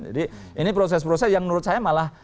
jadi ini proses proses yang menurut saya malah